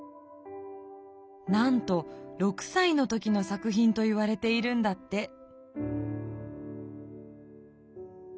なんと６さいの時の作ひんといわれているんだって。